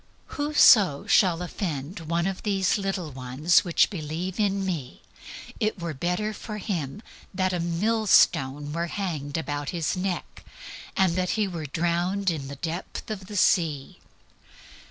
"Whoso shall offend one of these little ones, which believe in me, it were better for him that a millstone were hanged about his neck, and that he were drowned in the depth of the sea."